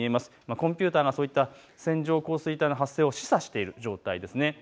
コンピューターがそういった線状降水帯の発生を示唆している状態です。